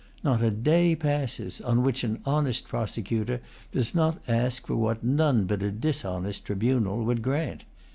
Not a day passes on which an honest prosecutor does not ask for what none but a dishonest tribunal would grant.